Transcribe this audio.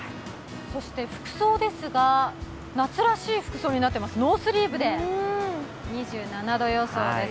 服装ですが、夏らしい服装になっています、ノースリーブで２７度予想です。